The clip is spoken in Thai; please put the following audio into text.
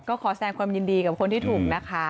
ก็ขอแสงความยินดีกับคนที่ถูกนะคะ